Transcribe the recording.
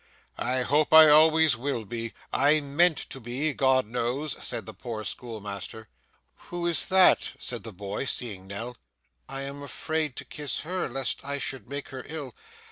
'I hope I always was. I meant to be, God knows,' said the poor schoolmaster. 'Who is that?' said the boy, seeing Nell. 'I am afraid to kiss her, lest I should make her ill.